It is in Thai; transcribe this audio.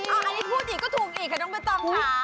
อ้าวอันนี้พูดอีกก็ถูกอีกค่ะต้องไปตอบค่ะ